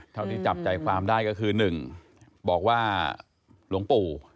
เท่าที่จับใจความได้ก็คือ๑บอกว่าหลวงปู่